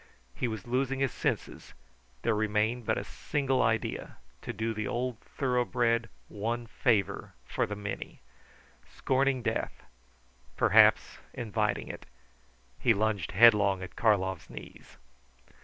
He was losing his senses. There remained but a single idea to do the old thoroughbred one favour for the many. Scorning death perhaps inviting it he lunged headlong at Karlov's knees.